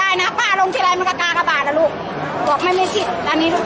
อาหรับเชี่ยวจามันไม่มีควรหยุด